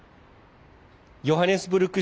ヨハネスブルク